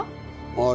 ああ